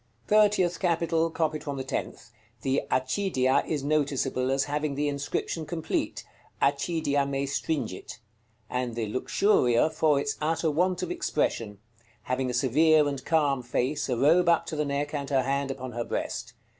THIRTIETH CAPITAL. Copied from the tenth. The "Accidia" is noticeable as having the inscription complete, "ACCIDIA ME STRINGIT;" and the "Luxuria" for its utter want of expression, having a severe and calm face, a robe up to the neck, and her hand upon her breast.